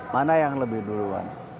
mana yang lebih duluan